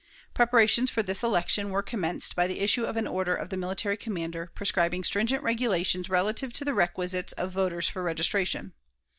Preparations for this election were commenced by the issue of an order of the military commander prescribing stringent regulations relative to the requisites of voters for registration.